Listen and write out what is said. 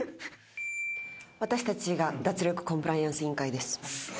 私たちが脱力コンプライアンス委員会です。